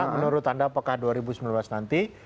menurut anda apakah dua ribu sembilan belas nanti